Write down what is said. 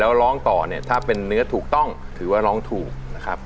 แล้วร้องต่อเนี่ยถ้าเป็นเนื้อถูกต้องถือว่าร้องถูกนะครับ